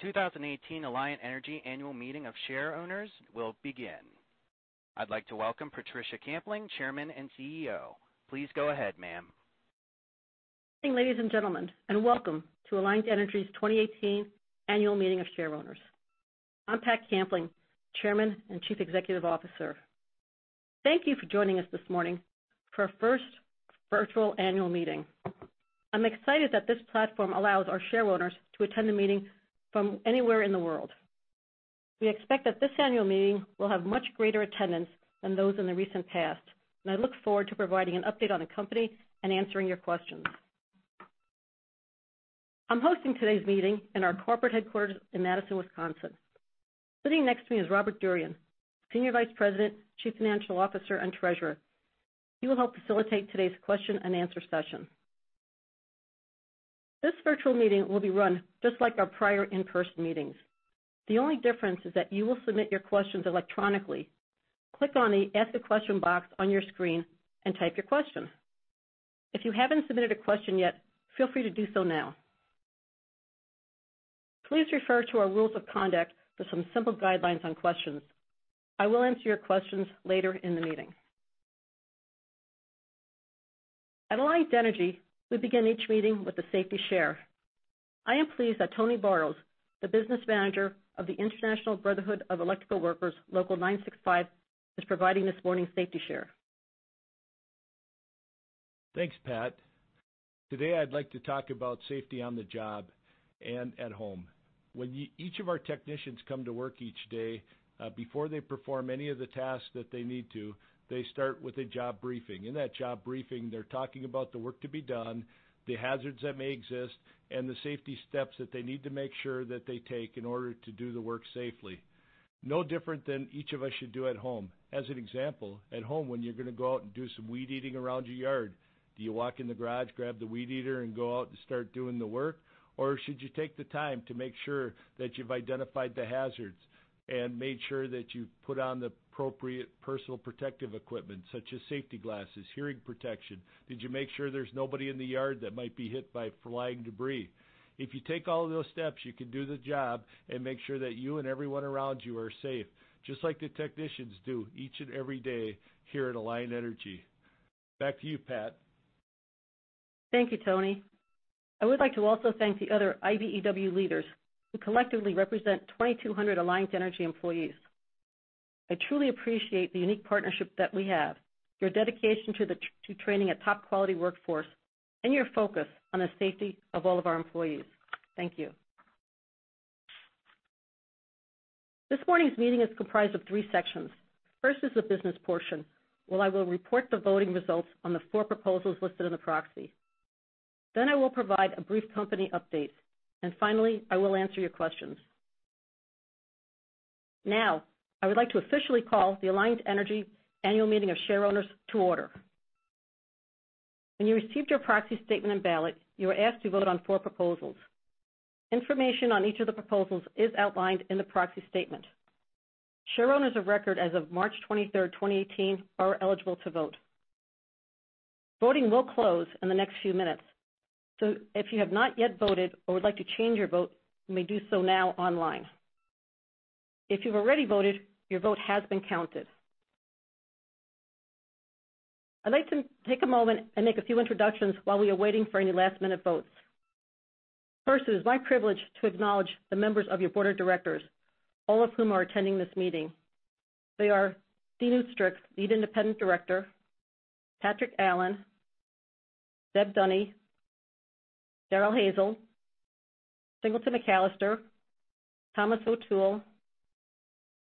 The 2018 Alliant Energy Annual Meeting of Shareowners will begin. I'd like to welcome Patricia Kampling, Chairman and CEO. Please go ahead, ma'am. Good morning, ladies and gentlemen, and welcome to Alliant Energy's 2018 Annual Meeting of Shareowners. I'm Pat Kampling, Chairman and Chief Executive Officer. Thank you for joining us this morning for our first virtual annual meeting. I'm excited that this platform allows our shareowners to attend the meeting from anywhere in the world. We expect that this annual meeting will have much greater attendance than those in the recent past, and I look forward to providing an update on the company and answering your questions. I'm hosting today's meeting in our corporate headquarters in Madison, Wisconsin. Sitting next to me is Robert Durian, Senior Vice President, Chief Financial Officer, and Treasurer. He will help facilitate today's question and answer session. This virtual meeting will be run just like our prior in-person meetings. The only difference is that you will submit your questions electronically. Click on the Ask a Question box on your screen and type your question. If you haven't submitted a question yet, feel free to do so now. Please refer to our rules of conduct for some simple guidelines on questions. I will answer your questions later in the meeting. At Alliant Energy, we begin each meeting with a safety share. I am pleased that Tony Borrows, the Business Manager of the International Brotherhood of Electrical Workers, Local 965, is providing this morning's safety share. Thanks, Pat. Today, I'd like to talk about safety on the job and at home. When each of our technicians come to work each day, before they perform any of the tasks that they need to, they start with a job briefing. In that job briefing, they're talking about the work to be done, the hazards that may exist, and the safety steps that they need to make sure that they take in order to do the work safely. No different than each of us should do at home. As an example, at home, when you're going to go out and do some weed eating around your yard, do you walk in the garage, grab the weed eater, and go out and start doing the work? Should you take the time to make sure that you've identified the hazards and made sure that you've put on the appropriate personal protective equipment, such as safety glasses, hearing protection? Did you make sure there's nobody in the yard that might be hit by flying debris? If you take all of those steps, you can do the job and make sure that you and everyone around you are safe, just like the technicians do each and every day here at Alliant Energy. Back to you, Pat. Thank you, Tony. I would like to also thank the other IBEW leaders, who collectively represent 2,200 Alliant Energy employees. I truly appreciate the unique partnership that we have, your dedication to training a top-quality workforce, and your focus on the safety of all of our employees. Thank you. This morning's meeting is comprised of three sections. First is the business portion, where I will report the voting results on the four proposals listed in the proxy. I will provide a brief company update. Finally, I will answer your questions. Now, I would like to officially call the Alliant Energy Annual Meeting of Shareowners to order. When you received your proxy statement and ballot, you were asked to vote on four proposals. Information on each of the proposals is outlined in the proxy statement. Shareowners of record as of March 23rd, 2018, are eligible to vote. Voting will close in the next few minutes, if you have not yet voted or would like to change your vote, you may do so now online. If you've already voted, your vote has been counted. I'd like to take a moment and make a few introductions while we are waiting for any last-minute votes. First, it is my privilege to acknowledge the members of your board of directors, all of whom are attending this meeting. They areDean Oestreich, Lead Independent Director, Patrick Allen, Deb Dunie, Daryl Hanzal, Singleton McAllister, Thomas O'Toole,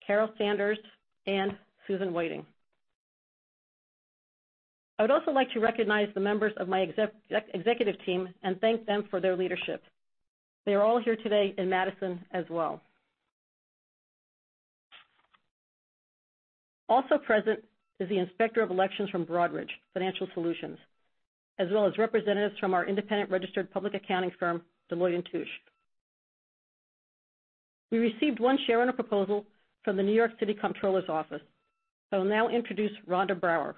Carol Sanders, and Susan Whiting. I would also like to recognize the members of my executive team and thank them for their leadership. They are all here today in Madison as well. Also present is the Inspector of Elections from Broadridge Financial Solutions, as well as representatives from our independent registered public accounting firm, Deloitte & Touche. We received one shareowner proposal from the New York City Comptroller's Office. I will now introduce Rhonda Brower.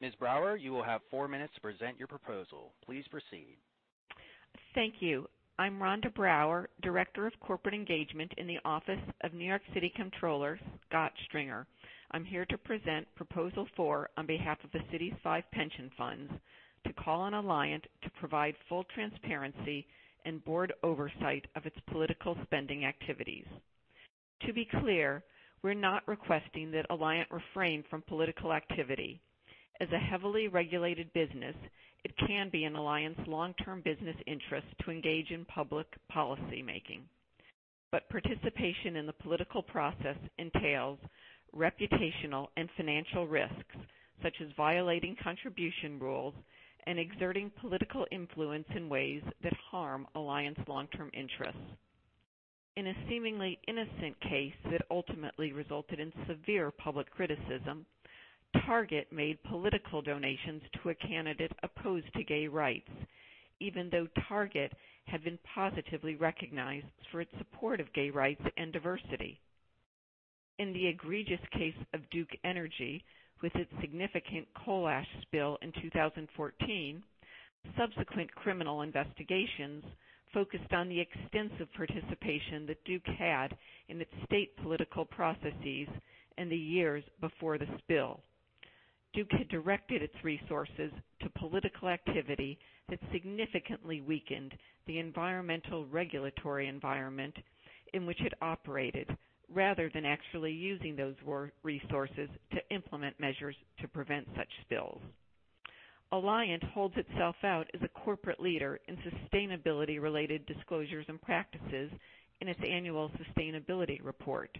Ms. Brower, you will have four minutes to present your proposal. Please proceed. Thank you. I'm Rhonda Brower, Director of Corporate Engagement in the Office of New York City Comptroller, Scott Stringer. I'm here to present Proposal Four on behalf of the city's five pension funds to call on Alliant to provide full transparency and board oversight of its political spending activities. To be clear, we're not requesting that Alliant refrain from political activity. As a heavily regulated business, it can be in Alliant's long-term business interest to engage in public policy making. Participation in the political process entails reputational and financial risks, such as violating contribution rules and exerting political influence in ways that harm Alliant's long-term interests. In a seemingly innocent case that ultimately resulted in severe public criticism, Target made political donations to a candidate opposed to gay rights, even though Target had been positively recognized for its support of gay rights and diversity. In the egregious case of Duke Energy, with its significant coal ash spill in 2014, subsequent criminal investigations focused on the extensive participation that Duke had in its state political processes in the years before the spill. Duke had directed its resources to political activity that significantly weakened the environmental regulatory environment in which it operated, rather than actually using those resources to implement measures to prevent such spills. Alliant holds itself out as a corporate leader in sustainability-related disclosures and practices in its annual sustainability report.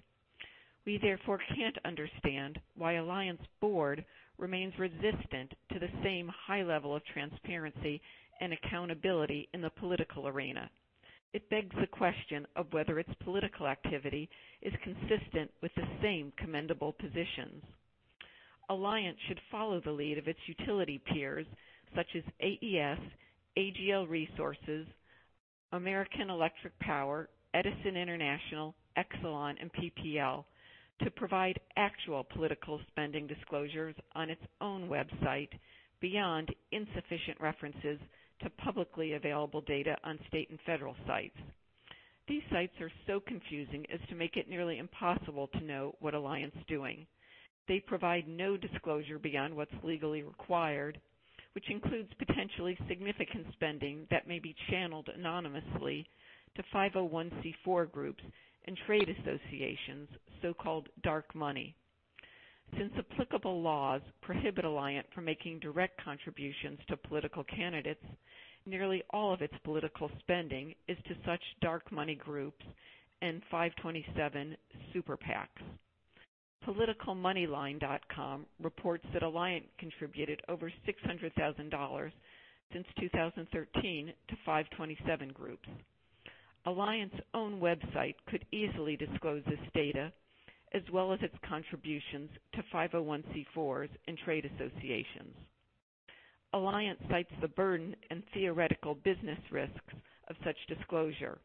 We therefore can't understand why Alliant's board remains resistant to the same high level of transparency and accountability in the political arena. It begs the question of whether its political activity is consistent with the same commendable positions. Alliant should follow the lead of its utility peers, such as AES, AGL Resources, American Electric Power, Edison International, Exelon, and PPL, to provide actual political spending disclosures on its own website beyond insufficient references to publicly available data on state and federal sites. These sites are so confusing as to make it nearly impossible to know what Alliant's doing. They provide no disclosure beyond what's legally required, which includes potentially significant spending that may be channeled anonymously to 501(c)(4) groups and trade associations, so-called dark money. Since applicable laws prohibit Alliant from making direct contributions to political candidates, nearly all of its political spending is to such dark money groups and 527 super PACs. PoliticalMoneyLine.com reports that Alliant contributed over $600,000 since 2013 to 527 groups. Alliant's own website could easily disclose this data, as well as its contributions to 501(c)(4)s and trade associations. Alliant cites the burden and theoretical business risks of such disclosure.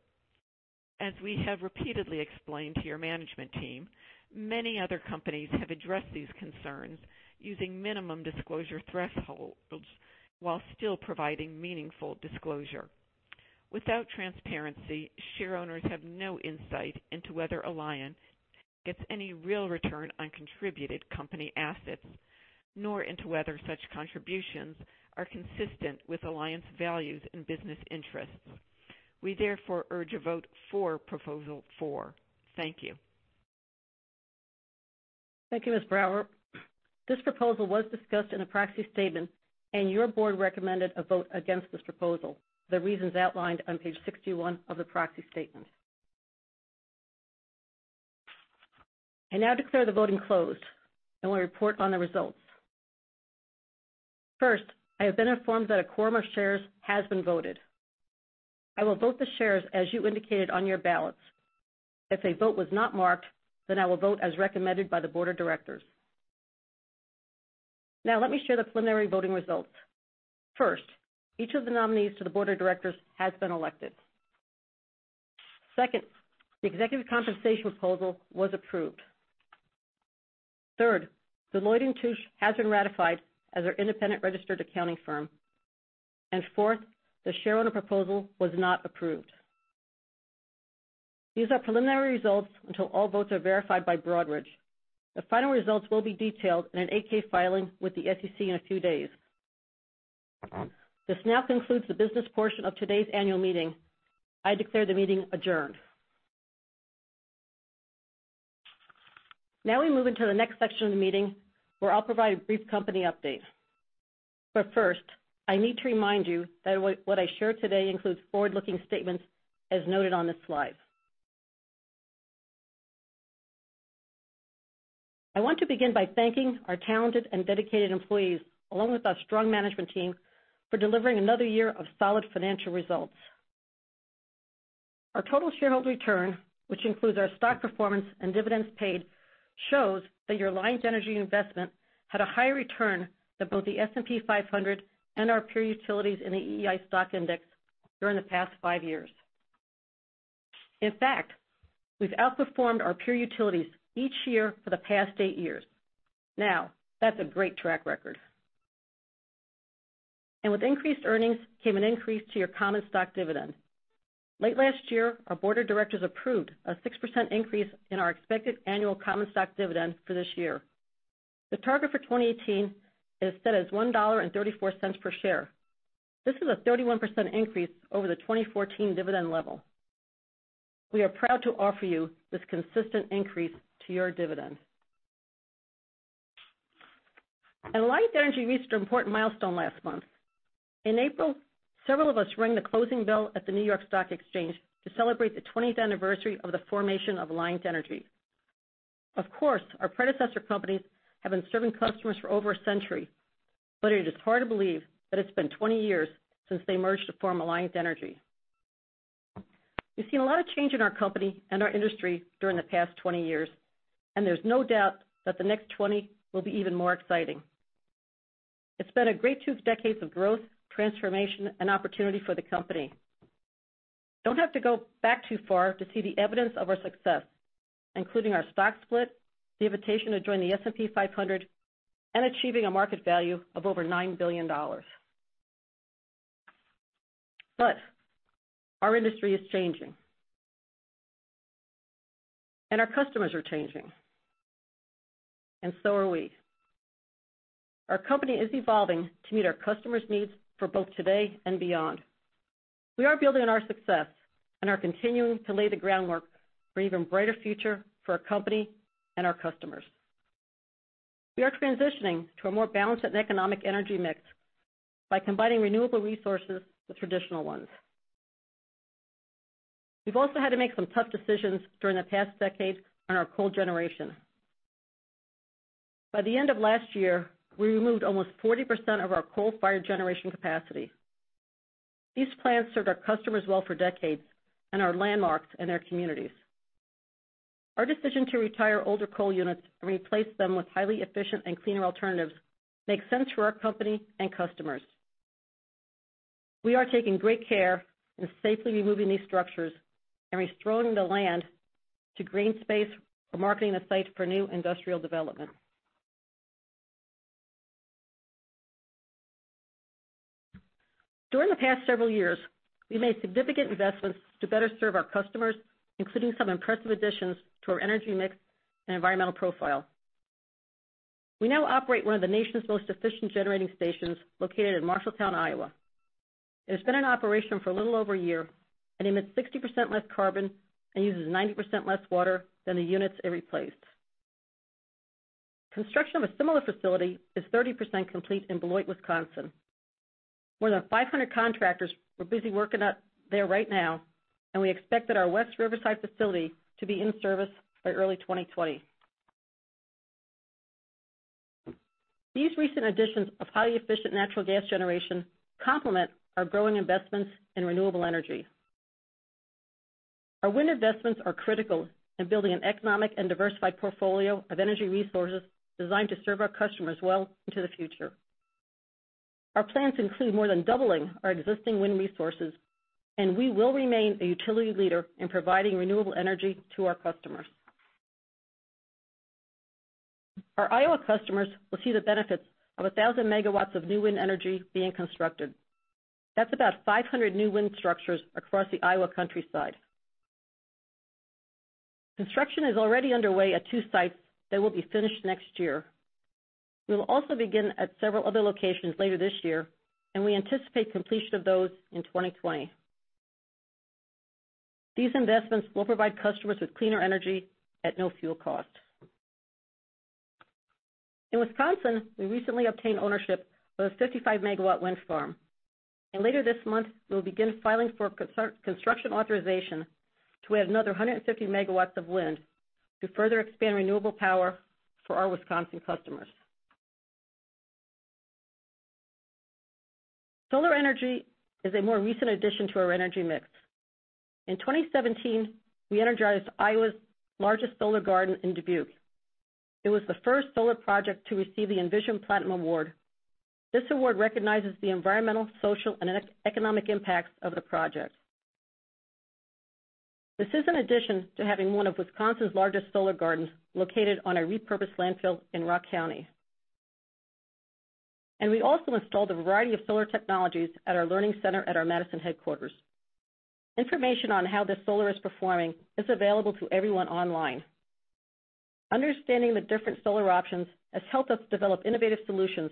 As we have repeatedly explained to your management team, many other companies have addressed these concerns using minimum disclosure thresholds while still providing meaningful disclosure. Without transparency, share owners have no insight into whether Alliant gets any real return on contributed company assets, nor into whether such contributions are consistent with Alliant's values and business interests. We therefore urge a vote for Proposal Four. Thank you. Thank you, Ms. Brower. This proposal was discussed in a proxy statement. Your board recommended a vote against this proposal for the reasons outlined on page 61 of the proxy statement. I now declare the voting closed and will report on the results. First, I have been informed that a quorum of shares has been voted. I will vote the shares as you indicated on your ballots. If a vote was not marked, I will vote as recommended by the board of directors. Let me share the preliminary voting results. First, each of the nominees to the board of directors has been elected. Second, the executive compensation proposal was approved. Third, Deloitte & Touche has been ratified as our independent registered accounting firm. Fourth, the share owner proposal was not approved. These are preliminary results until all votes are verified by Broadridge. The final results will be detailed in an 8-K filing with the SEC in a few days. This now concludes the business portion of today's annual meeting. I declare the meeting adjourned. We move into the next section of the meeting, where I'll provide a brief company update. First, I need to remind you that what I share today includes forward-looking statements, as noted on this slide. I want to begin by thanking our talented and dedicated employees, along with our strong management team, for delivering another year of solid financial results. Our total shareholder return, which includes our stock performance and dividends paid, shows that your Alliant Energy investment had a higher return than both the S&P 500 and our peer utilities in the EEI stock index during the past five years. In fact, we've outperformed our peer utilities each year for the past eight years. That's a great track record. With increased earnings came an increase to your common stock dividend. Late last year, our board of directors approved a 6% increase in our expected annual common stock dividend for this year. The target for 2018 is set as $1.34 per share. This is a 31% increase over the 2014 dividend level. We are proud to offer you this consistent increase to your dividend. Alliant Energy reached an important milestone last month. In April, several of us rang the closing bell at the New York Stock Exchange to celebrate the 20th anniversary of the formation of Alliant Energy. Of course, our predecessor companies have been serving customers for over a century, it is hard to believe that it's been 20 years since they merged to form Alliant Energy. We've seen a lot of change in our company and our industry during the past 20 years, there's no doubt that the next 20 will be even more exciting. It's been a great two decades of growth, transformation, and opportunity for the company. Don't have to go back too far to see the evidence of our success, including our stock split, the invitation to join the S&P 500, and achieving a market value of over $9 billion. Our industry is changing. Our customers are changing. So are we. Our company is evolving to meet our customers' needs for both today and beyond. We are building on our success and are continuing to lay the groundwork for an even brighter future for our company and our customers. We are transitioning to a more balanced and economic energy mix by combining renewable resources with traditional ones. We've also had to make some tough decisions during the past decade on our coal generation. By the end of last year, we removed almost 40% of our coal-fired generation capacity. These plants served our customers well for decades and are landmarks in their communities. Our decision to retire older coal units and replace them with highly efficient and cleaner alternatives makes sense for our company and customers. We are taking great care in safely removing these structures and restoring the land to green space or marketing the site for new industrial development. During the past several years, we've made significant investments to better serve our customers, including some impressive additions to our energy mix and environmental profile. We now operate one of the nation's most efficient generating stations, located in Marshalltown, Iowa. It has been in operation for a little over a year and emits 60% less carbon and uses 90% less water than the units it replaced. Construction of a similar facility is 30% complete in Beloit, Wisconsin. More than 500 contractors are busy working out there right now, we expect that our West Riverside facility to be in service by early 2020. These recent additions of highly efficient natural gas generation complement our growing investments in renewable energy. Our wind investments are critical in building an economic and diversified portfolio of energy resources designed to serve our customers well into the future. Our plans include more than doubling our existing wind resources, we will remain a utility leader in providing renewable energy to our customers. Our Iowa customers will see the benefits of 1,000 megawatts of new wind energy being constructed. That's about 500 new wind structures across the Iowa countryside. Construction is already underway at two sites that will be finished next year. We will also begin at several other locations later this year, we anticipate completion of those in 2020. These investments will provide customers with cleaner energy at no fuel cost. In Wisconsin, we recently obtained ownership of a 55-megawatt wind farm. Later this month, we will begin filing for construction authorization to add another 150 megawatts of wind to further expand renewable power for our Wisconsin customers. Solar energy is a more recent addition to our energy mix. In 2017, we energized Iowa's largest solar garden in Dubuque. It was the first solar project to receive the Envision Platinum Award. This award recognizes the environmental, social, and economic impacts of the project. This is in addition to having one of Wisconsin's largest solar gardens located on a repurposed landfill in Rock County. We also installed a variety of solar technologies at our learning center at our Madison headquarters. Information on how this solar is performing is available to everyone online. Understanding the different solar options has helped us develop innovative solutions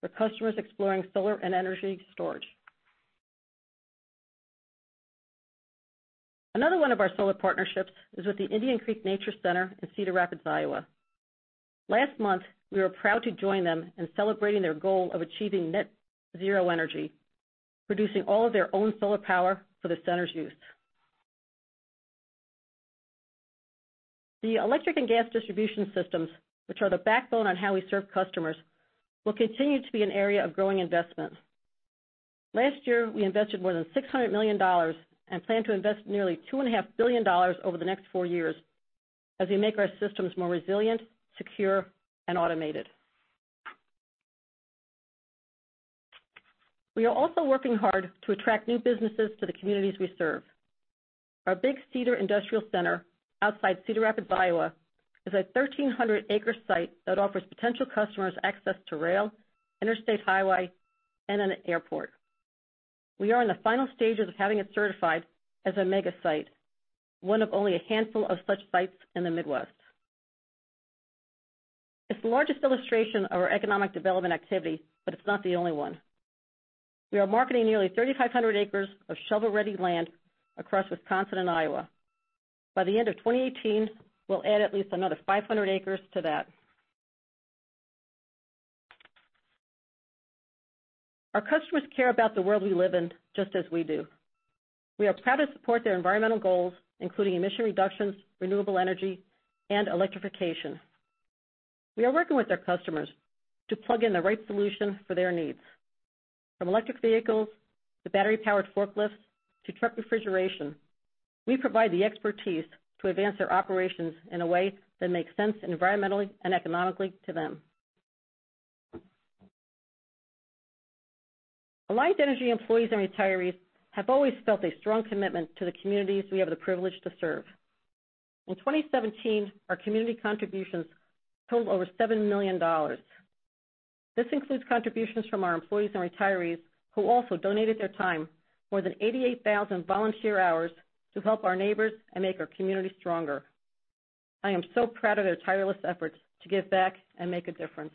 for customers exploring solar and energy storage. Another one of our solar partnerships is with the Indian Creek Nature Center in Cedar Rapids, Iowa. Last month, we were proud to join them in celebrating their goal of achieving net zero energy, producing all of their own solar power for the center's use. The electric and gas distribution systems, which are the backbone on how we serve customers, will continue to be an area of growing investment. Last year, we invested more than $600 million and plan to invest nearly $2.5 billion over the next four years as we make our systems more resilient, secure, and automated. We are also working hard to attract new businesses to the communities we serve. Our Big Cedar Industrial Center outside Cedar Rapids, Iowa, is a 1,300-acre site that offers potential customers access to rail, interstate highway, and an airport. We are in the final stages of having it certified as a mega site, one of only a handful of such sites in the Midwest. It's the largest illustration of our economic development activity, but it's not the only one. We are marketing nearly 3,500 acres of shovel-ready land across Wisconsin and Iowa. By the end of 2018, we'll add at least another 500 acres to that. Our customers care about the world we live in, just as we do. We are proud to support their environmental goals, including emission reductions, renewable energy, and electrification. We are working with our customers to plug in the right solution for their needs. From electric vehicles to battery-powered forklifts to truck refrigeration, we provide the expertise to advance their operations in a way that makes sense environmentally and economically to them. Alliant Energy employees and retirees have always felt a strong commitment to the communities we have the privilege to serve. In 2017, our community contributions totaled over $7 million. This includes contributions from our employees and retirees who also donated their time, more than 88,000 volunteer hours, to help our neighbors and make our community stronger. I am so proud of their tireless efforts to give back and make a difference.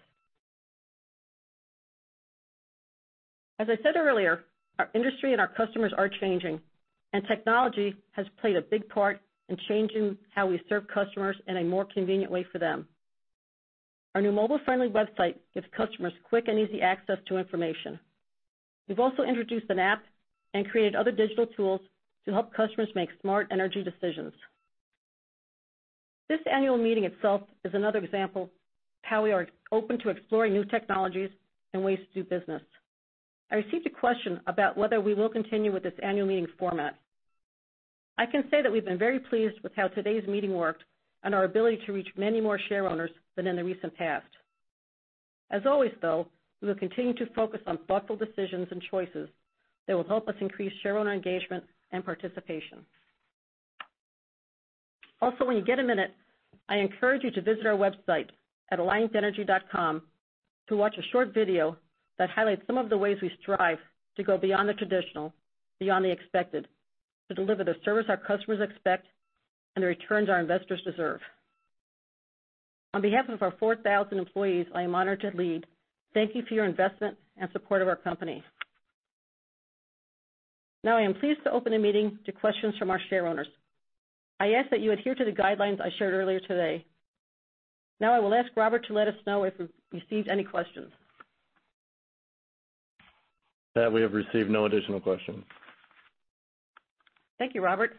As I said earlier, our industry and our customers are changing. Technology has played a big part in changing how we serve customers in a more convenient way for them. Our new mobile-friendly website gives customers quick and easy access to information. We've also introduced an app and created other digital tools to help customers make smart energy decisions. This annual meeting itself is another example of how we are open to exploring new technologies and ways to do business. I received a question about whether we will continue with this annual meeting format. I can say that we've been very pleased with how today's meeting worked and our ability to reach many more shareowners than in the recent past. As always, though, we will continue to focus on thoughtful decisions and choices that will help us increase shareowner engagement and participation. When you get a minute, I encourage you to visit our website at alliantenergy.com to watch a short video that highlights some of the ways we strive to go beyond the traditional, beyond the expected, to deliver the service our customers expect and the returns our investors deserve. On behalf of our 4,000 employees I am honored to lead, thank you for your investment and support of our company. I am pleased to open the meeting to questions from our shareowners. I ask that you adhere to the guidelines I shared earlier today. I will ask Robert to let us know if we've received any questions. Pat, we have received no additional questions. Thank you, Robert.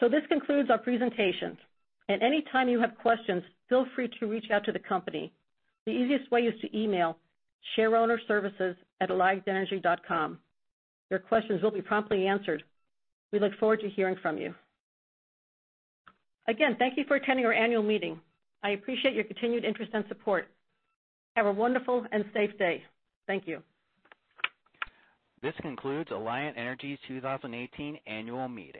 This concludes our presentation. At any time you have questions, feel free to reach out to the company. The easiest way is to email shareownerservices@alliantenergy.com. Your questions will be promptly answered. We look forward to hearing from you. Again, thank you for attending our annual meeting. I appreciate your continued interest and support. Have a wonderful and safe day. Thank you. This concludes Alliant Energy's 2018 annual meeting.